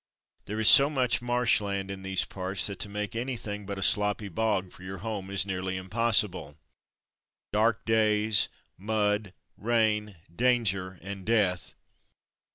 There is so much marsh land in these parts, that to make anything but a sloppy bog for your home is nearly impos sible. Dark days, mud, rain, danger, and death.